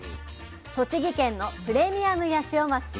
栃木県のプレミアムヤシオマス。